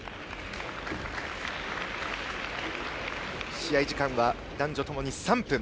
試合時間は男女ともに３分。